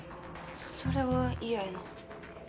それはイヤやな。